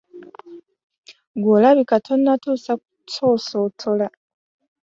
Ggwe olabika tonnatuusa kusoosootola.